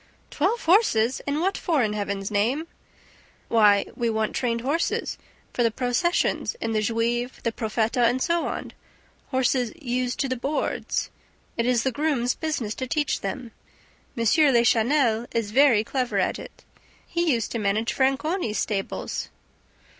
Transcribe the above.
"Twelve horses! And what for, in Heaven's name?" "Why, we want trained horses for the processions in the Juive, The Profeta and so on; horses 'used to the boards.' It is the grooms' business to teach them. M. Lachenel is very clever at it. He used to manage Franconi's stables."